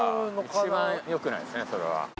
いちばんよくないですねそれは。